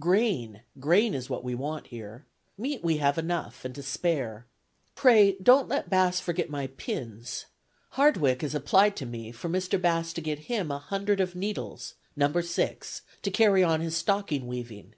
Grain, grain is what we want here. Meat we have enough, and to spare. Pray don't let Bass forget my pins. Hardwick has applied to me for Mr. Bass to get him a hundred of needles, number six, to carry on his stocking weaving.